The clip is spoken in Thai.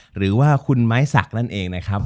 หรือว่าคุณไม้สักนั่นเองนะครับ